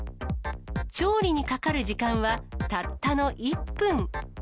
調理にかかる時間はたったの１分。